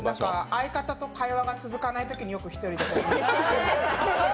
相方と会話が続かないときによく１人で。